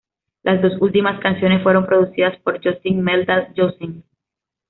Las dos últimas canciones fueron producidas por Justin Meldal-Johnsen.